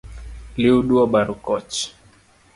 Liudu obaro koch .